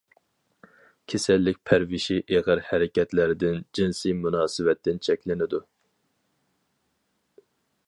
كېسەللىك پەرۋىشى ئېغىر ھەرىكەتلەردىن، جىنسىي مۇناسىۋەتتىن چەكلىنىدۇ.